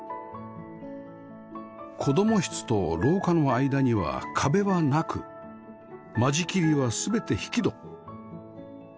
子供室と廊下の間には壁はなく間仕切りは全て引き戸